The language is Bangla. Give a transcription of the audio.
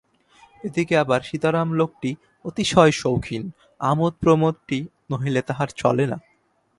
এদিকে আবার সীতারাম লোকটি অতিশয় সৌখিন, আমোদ প্রমোদটি নহিলে তাহার চলে না।